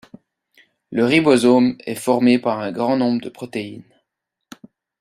Le ribosome est formé par un grand nombre de protéines.